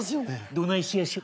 どないしやしょ？